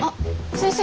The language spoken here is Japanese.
先生